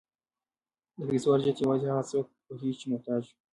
د پیسو ارزښت یوازې هغه څوک پوهېږي چې محتاج وي.